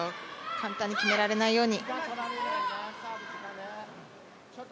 簡単に決められないように。